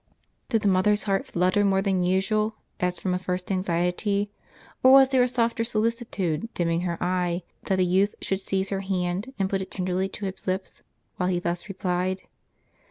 Did the mother's heart flutter more than usual, as from a first anxiety, or was there a softer solicitude dimming her eye, that the youth sliould seize her hand and put it tenderly to his lips, while he thus replied